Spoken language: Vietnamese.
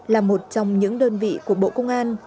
là một trong những đơn vị của bộ công an